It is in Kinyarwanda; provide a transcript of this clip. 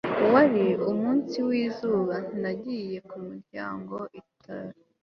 wari umunsi w'izuba. nagiye ku muryango. itabi